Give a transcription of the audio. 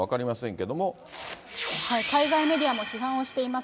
けれ海外メディアも批判をしています。